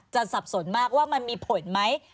สับสนมากว่ามันมีผลไหม